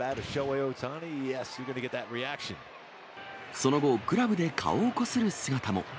その後、グラブで顔をこする姿も。